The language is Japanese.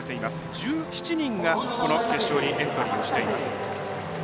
１７人が、決勝にエントリーしています。